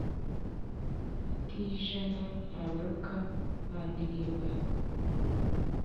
rutijana ntabaruka bandirimba,